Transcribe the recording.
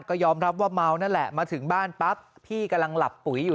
ก็ยอมรับว่าเมานั่นแหละมาถึงบ้านปั๊บพี่กำลังหลับปุ๋ยอยู่